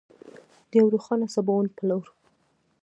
د یو روښانه سباوون په لور.